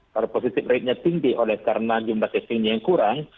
kalau positive ratenya tinggi karena jumlah testingnya yang kurang